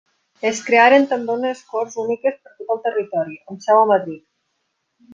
Es crearen també unes Corts úniques per a tot el territori, amb seu a Madrid.